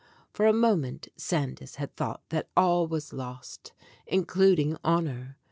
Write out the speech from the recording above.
For a moment Sandys had thought that all was lost, including honor.